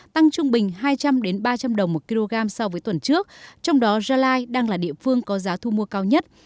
tăng trung bình hai trăm linh ba trăm linh đồng một kg so với tuần trước trong đó gia lai đang là địa phương có giá thu mua cao nhất